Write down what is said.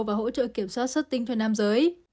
và hỗ trợ kiểm soát xuất tinh cho nam giới